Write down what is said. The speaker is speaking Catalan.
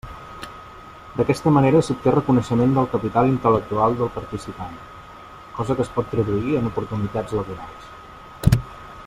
D'aquesta manera s'obté reconeixement del capital intel·lectual del participant, cosa que es pot traduir en oportunitats laborals.